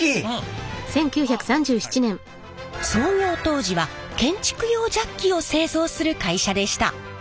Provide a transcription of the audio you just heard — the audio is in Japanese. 創業当時は建築用ジャッキを製造する会社でした。